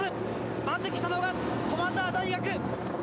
まず来たのは、駒澤大学。